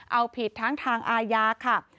เอาผิดทั้งทางอาญาค่ะ